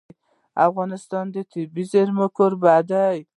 افغانستان د طبیعي زیرمې کوربه دی.